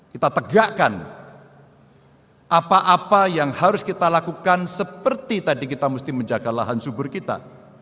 kita tegakkan apa apa yang harus kita lakukan seperti tadi kita mesti menjaga lahan subur kita